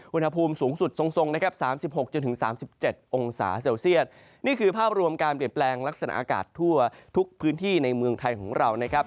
อุณหภูมิสูงสุดทรงนะครับ๓๖๓๗องศาเซลเซียตนี่คือภาพรวมการเปลี่ยนแปลงลักษณะอากาศทั่วทุกพื้นที่ในเมืองไทยของเรานะครับ